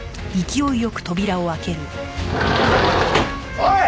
おい！